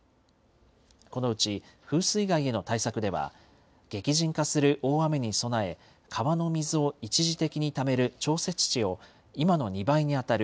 このうち風水害への対策では、激甚化する大雨に備え、川の水を一時的に貯める調節池を今の２倍に当たる